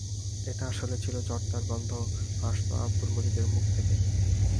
এটা আসলে ছিল জর্দার গন্ধ, আসত আব্দুল মজিদের মুখ থেকে।